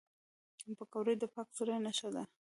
پکورې د پاک زړه نښه ده